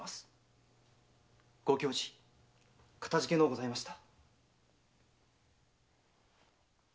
ご教示かたじけのうございました。